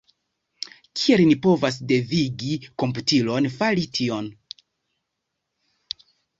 Kiel ni povas devigi komputilon fari tion?